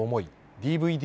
ＤＶＤ